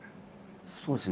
そうですね。